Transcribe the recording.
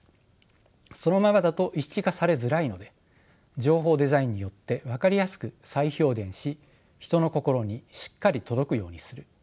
そのままだと意識化されづらいので情報デザインによって分かりやすく再表現し人の心にしっかり届くようにする。